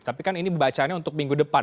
tapi kan ini bacaannya untuk minggu depan